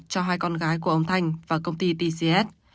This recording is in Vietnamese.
cho hai con gái của ông thanh và công ty tcs